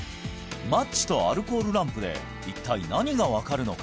マッチとアルコールランプで一体何が分かるのか？